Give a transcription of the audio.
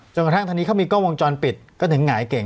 กระทั่งตอนนี้เขามีกล้องวงจรปิดก็ถึงหงายเก่ง